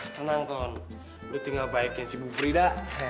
tenang ton udah tinggal baikin si bu frida